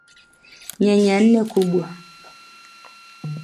Nyanya nne kubwa